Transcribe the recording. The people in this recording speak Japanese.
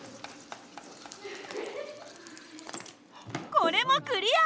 これもクリア！